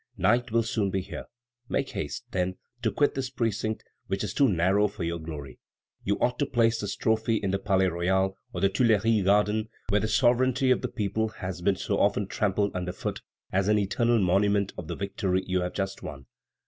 Night will soon be here. Make haste, then, to quit this precinct, which is too narrow for your glory. You ought to place this trophy in the Palais Royal or the Tuileries garden, where the sovereignty of the people has been so often trampled under foot, as an eternal monument of the victory you have just won."